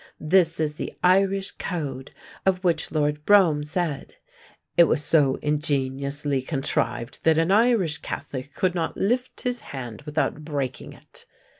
This is the "Irish Code" of which Lord Brougham said: "It was so ingeniously contrived that an Irish Catholic could not lift his hand without breaking it."